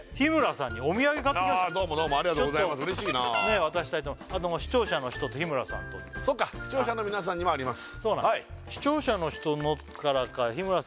そしてあどうもどうもありがとうございます嬉しいな渡したいと思うあと視聴者の人と日村さんとそうか視聴者の皆さんにもあります